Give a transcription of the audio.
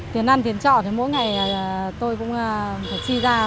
tiền ăn tiền trọ thì mỗi ngày tôi cũng phải chi ra sáu mươi